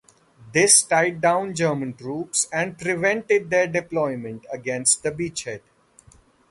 This tied down German troops and prevented their deployment against the beachhead.